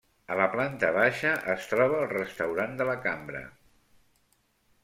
A la planta baixa es troba el restaurant de la Cambra.